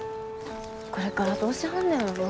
これからどうしはんねやろな。